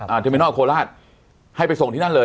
อ่าเทอร์มินอลโคลาสให้ไปส่งที่นั่นเลยอ๋อ